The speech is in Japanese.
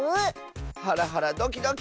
ハラハラドキドキ！